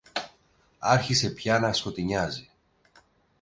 Άρχισε πια να σκοτεινιάζει